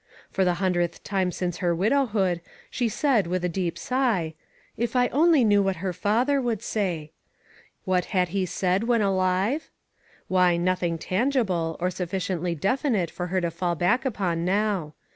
For the hundredth time since her widowhood, she said with a deep sigh, "If I only knew what her father would say !" What had he said when alive? Why, nothing tangible, or sufficiently definite for her to fall back upon • now.